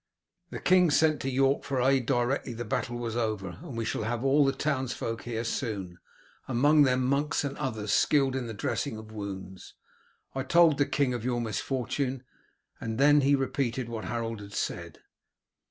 "The king sent to York for aid directly the battle was over, and we shall have all the townsfolk here soon, among them monks and others skilled in the dressing of wounds. I told the king of your misfortune." And he then repeated what Harold had said.